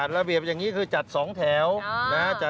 ระเบียบอย่างนี้คือจัด๒แถวนะ